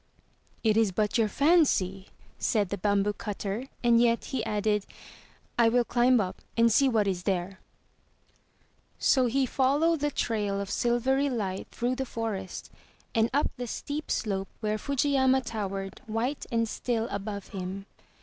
"It is but your fancy,*' said the bamboo cutter and yet he added, "I will climb up and see what is there." So he followed the trail of silvery light through the forest, and up the steep slope where Fujiyama towered white and still above him.